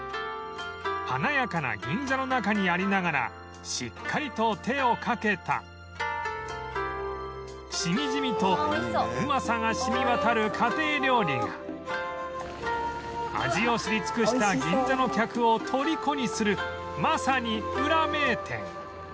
華やかな銀座の中にありながらしっかりと手をかけたしみじみとうまさが染み渡る家庭料理が味を知り尽くした銀座の客をとりこにするまさにウラ名店